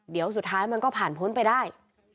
เดี๋ยวสุดท้ายมันก็ผ่านพ้นไปได้